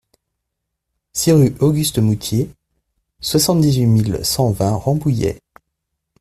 six rue Auguste Moutié, soixante-dix-huit mille cent vingt Rambouillet